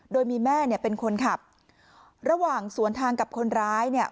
โดยมีแม่เนี่ยเป็นคนขับระหว่างสวนทางกับคนร้ายเนี่ย